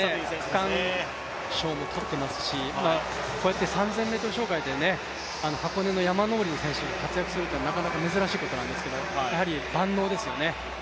区間賞も取っていますし、こうやって３０００ｍ障害で箱根の山登りの選手が活躍するってなかなか珍しいことなんですけれども、やはり万能ですよね。